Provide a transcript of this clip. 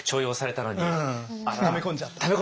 ため込んじゃった。